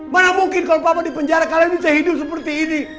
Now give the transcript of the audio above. mana mungkin kalau papa di penjara kalian bisa hidup seperti ini